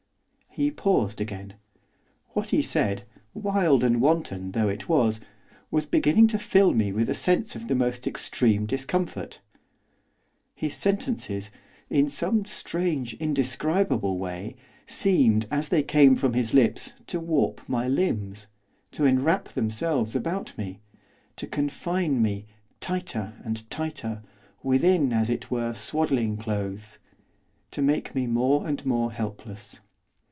He paused again. What he said, wild and wanton though it was, was beginning to fill me with a sense of the most extreme discomfort. His sentences, in some strange, indescribable way, seemed, as they came from his lips, to warp my limbs; to enwrap themselves about me; to confine me, tighter and tighter, within, as it were, swaddling clothes; to make me more and more helpless.